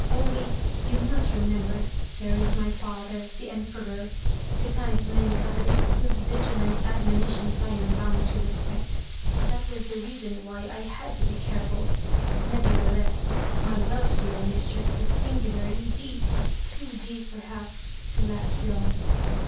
Only, you must remember, there is my father, the Emperor, besides many others, whose vigilant admonitions I am bound to respect. That was the reason why I had to be careful. Nevertheless, my love to your mistress was singularly deep; too deep, perhaps, to last long.